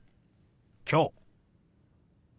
「きょう」。